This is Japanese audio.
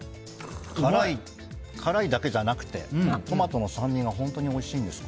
辛いだけじゃなくてトマトの酸味が本当においしいんです。